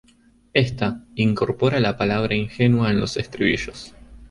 Ésta incorpora la palabra ingenua en los estribillos.